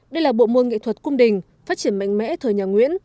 đây là bộ môn nghệ thuật cung đình phát triển mạnh mẽ thời nhà nguyễn